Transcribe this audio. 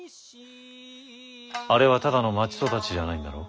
あれはただの町育ちじゃないんだろう？